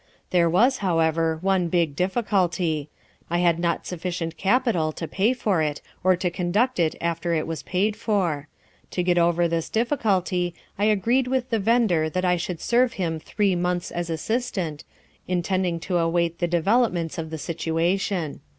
There was, however, one big difficulty—I had not sufficient capital to pay for it or to conduct it after it was paid for. To get over this difficulty, I agreed with the vendor that I should serve him three months as assistant, intending to await the developments of the situation.